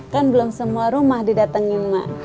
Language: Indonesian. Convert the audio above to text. kan belum semua rumah didatengin mak